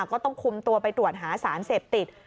ก็ต้องคุมตัวไปตรวจหาสารเสพติด